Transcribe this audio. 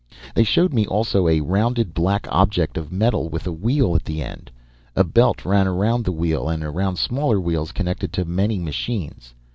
"They showed me also a rounded black object of metal with a wheel at the end. A belt ran around the wheel and around smaller wheels connected to many machines.